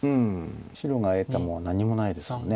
白が得たものは何もないですもんね。